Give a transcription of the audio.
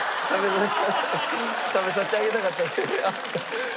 食べさせてあげたかったですけど。